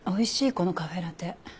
このカフェラテ。